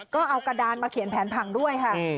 ก็เอากระดานมาเขียนแผนผังด้วยค่ะ